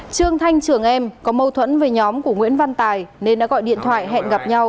trương thanh trường em có mâu thuẫn với nhóm của nguyễn văn tài nên đã gọi điện thoại hẹn gặp nhau